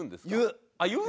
言う。